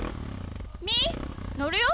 みーのるよ。